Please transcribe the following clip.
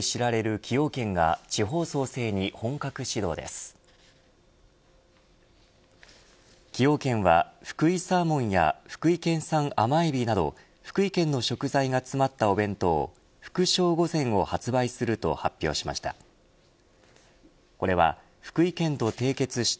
崎陽軒はふくいサーモンや福井県産甘えびなど福井県の食材が詰まったお弁当福笑御膳を発売すると発表しました。